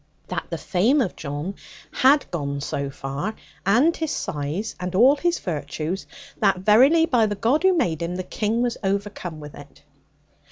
That the fame of John had gone so far, and his size, and all his virtues that verily by the God who made him, the King was overcome with it.